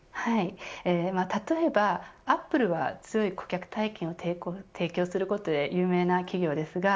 例えばアップルは強い顧客体験を提供することで有名な企業です。